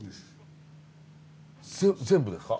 全部ですか？